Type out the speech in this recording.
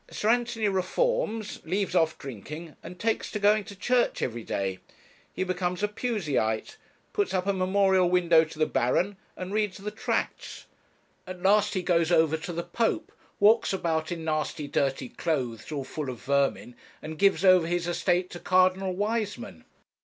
Sir Anthony reforms, leaves off drinking, and takes to going to church everyday. He becomes a Puseyite, puts up a memorial window to the Baron, and reads the Tracts. At last he goes over to the Pope, walks about in nasty dirty clothes all full of vermin, and gives over his estate to Cardinal Wiseman.